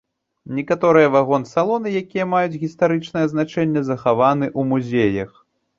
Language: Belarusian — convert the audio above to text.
Некаторыя вагон-салоны, якія маюць гістарычнае значэнне, захаваны ў музеях.